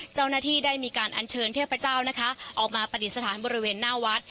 เจ้าหน้าที่ได้มีการอัญเชิญเทพเจ้านะคะออกมาปฏิสถานบริเวณหน้าวัด